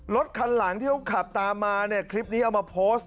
รถคันหลังที่เขาขับตามมาเนี่ยคลิปนี้เอามาโพสต์